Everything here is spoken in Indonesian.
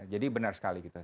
jadi benar sekali gitu